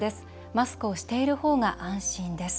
マスクをしている方が安心です。